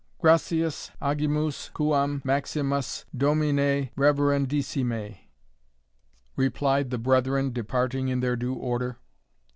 "Gratias agimus quam maximas, Domine reverendissime," replied the brethren, departing in their due order.